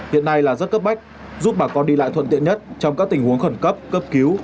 hiện nay là rất cấp bách giúp bà con đi lại thuận tiện nhất trong các tình huống khẩn cấp cấp cứu